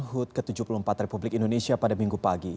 hud ke tujuh puluh empat republik indonesia pada minggu pagi